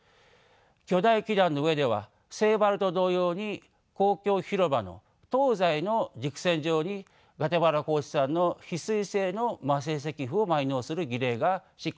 巨大基壇の上ではセイバルと同様に公共広場の東西の軸線上にグアテマラ高地産の翡翠製の磨製石斧を埋納する儀礼が執行されました。